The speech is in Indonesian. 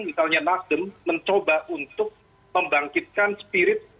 misalnya nasdem mencoba untuk membangkitkan spirit